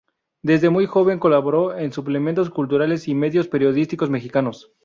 Desde muy joven colaboró en suplementos culturales y medios periodísticos mexicanos.